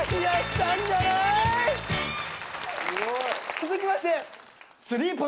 続きまして。